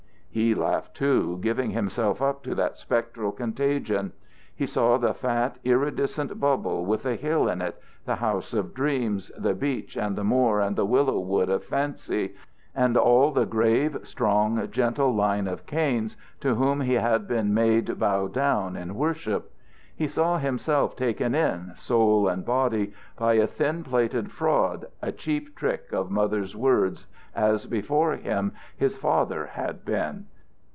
He laughed too, giving himself up to that spectral contagion. He saw the fat, iridescent bubble with the Hill in it, the House of dreams, the Beach and the Moor and Willow Wood of fancy, and all the grave, strong, gentle line of Kains to whom he had been made bow down in worship. He saw himself taken in, soul and body, by a thin plated fraud, a cheap trick of mother's words, as before him, his father had been.